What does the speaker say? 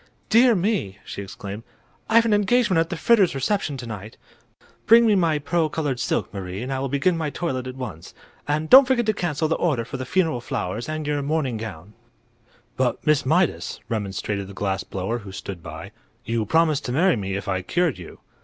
"Dear me!" she exclaimed; "I've an engagement at the Fritters' reception to night. Bring my pearl colored silk, Marie, and I will begin my toilet at once. And don't forget to cancel the order for the funeral flowers and your mourning gown." "But, Miss Mydas," remonstrated the glass blower, who stood by, "you promised to marry me if I cured you."